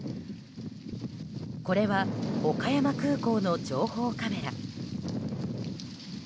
これは岡山空港の情報カメラ。